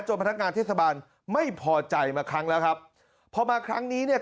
พนักงานเทศบาลไม่พอใจมาครั้งแล้วครับพอมาครั้งนี้เนี่ย